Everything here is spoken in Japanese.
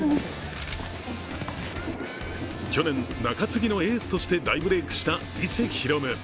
去年、中継ぎのエースとして大ブレークした伊勢大夢。